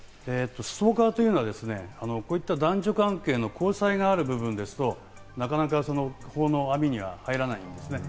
ストーカーというのは、こういった男女関係の交際がある部分ですと、なかなか法の網には入らないんですね。